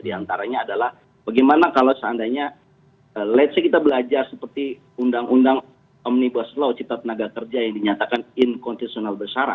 di antaranya adalah bagaimana kalau seandainya let's say kita belajar seperti undang undang omnibus law cita tenaga kerja yang dinyatakan inconstitutional bersara